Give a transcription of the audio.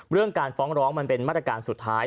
เรื่องการฟ้องร้องมันเป็นมาตรการสุดท้าย